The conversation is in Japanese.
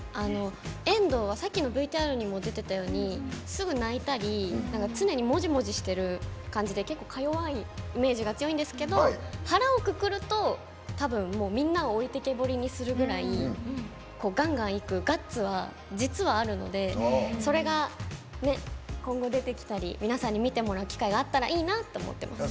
遠藤はさっきのＶＴＲにも出てたようにすぐ泣いたり、常にもじもじしてる感じで結構、か弱いイメージが強いんですけど腹をくくると多分、みんなを置いてけぼりにするくらいガンガンいくガッツが実はすごくあるのでそれが今後出てきたり皆さんに見てもらう機会があったらいいなと思います。